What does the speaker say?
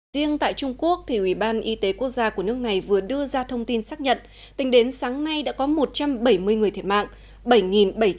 riêng tại trung quốc ubnd vừa đưa ra thông tin xác nhận tính đến sáng nay đã có một trăm bảy mươi người thiệt mạng